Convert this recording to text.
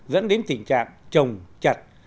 dẫn đến tình trạng trồng chặt